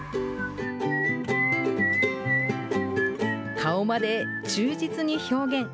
顔まで忠実に表現。